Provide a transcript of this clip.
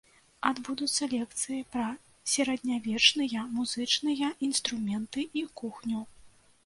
Адбудуцца лекцыі пра сярэднявечныя музычныя інструменты і кухню.